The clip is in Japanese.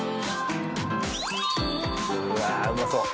うわあうまそう。